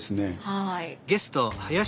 はい。